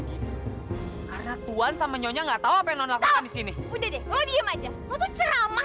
gini karena tuhan sama nyonya nggak tahu apa yang lakukan disini udah deh lo diem aja untuk ceramah